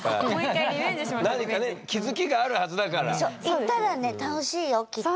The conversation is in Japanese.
行ったらね楽しいよきっと。